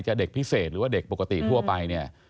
เด็กพิเศษหรือว่าเด็กปกติทั่วไปเนี่ย